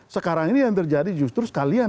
sekarang ini yang terjadi justru sekalian